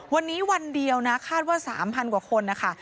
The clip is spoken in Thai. วันนี้วันเดียวนะคาดว่า๓๐๐กว่าคนนะคะ